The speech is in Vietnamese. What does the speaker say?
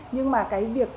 nhưng mà cái việc